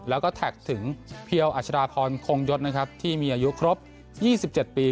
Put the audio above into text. แล้วก็แท็กถึงเพียวอัชดาพรคงยศนะครับที่มีอายุครบ๒๗ปี